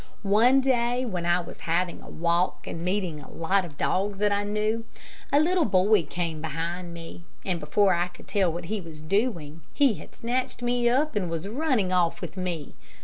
One day when I was having a walk, and meeting a lot of dogs that I knew, a little boy came behind me, and before I could tell what he was doing, he had snatched me up, and was running off with me.